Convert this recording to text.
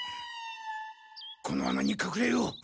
この穴にかくれよう。